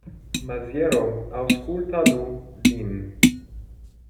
Maziero, aŭskultadu lin.